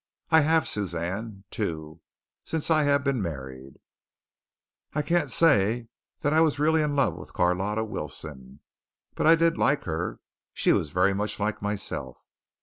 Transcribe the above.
I have, Suzanne, too, since I have been married. I can't say that I was really in love with Carlotta Wilson, but I did like her. She was very much like myself.